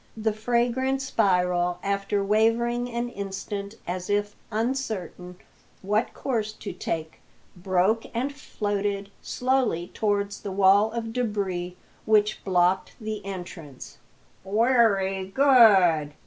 The fragrant spiral, after wavering an instant as if uncertain what course to take, broke and floated slowly towards the wall of débris which blocked the entrance. "Wery good!"